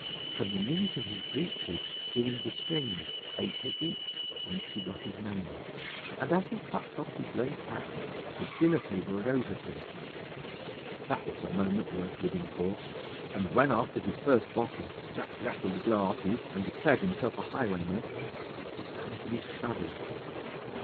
From the knees of his breeches streamed the strings (eight at each), whence he got his name, and as he plucked off his lace hat the dinner table rose at him. That was a moment worth living for, and when, after his first bottle, Jack rattled the glasses, and declared himself a highwayman, the whole company shuddered.